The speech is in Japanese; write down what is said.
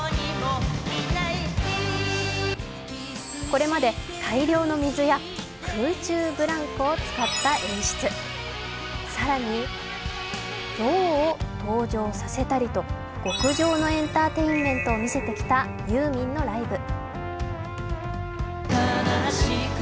これまで大量の水や空中ブランコを使った演出、更に象を登場させたりと、極上のエンターテインメントを見せてきたユーミンのライブ。